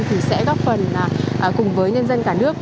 thì sẽ góp phần cùng với nhân dân cả nước